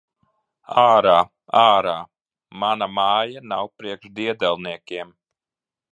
Ārā! Ārā! Mana māja nav priekš diedelniekiem!